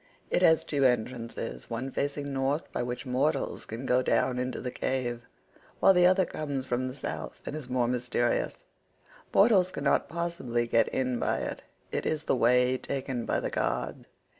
It has two entrances, one facing North by which mortals can go down into the cave, while the other comes from the South and is more mysterious; mortals cannot possibly get in by it, it is the way taken by the gods.